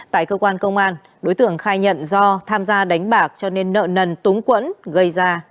tại cơ quan công an đối tượng khai nhận do tham gia đánh bạc cho nên nợ nần túng quẫn gây ra